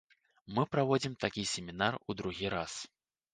Мы праводзім такі семінар у другі раз.